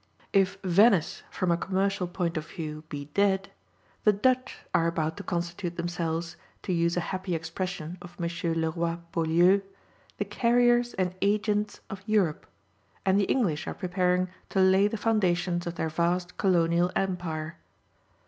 If Venice from a commercial point of view be dead, the Dutch are about to constitute themselves, to use a happy expression of M. Leroy Beaulieu, "the carriers and agents of Europe," and the English are preparing to lay the foundations of their vast colonial empire.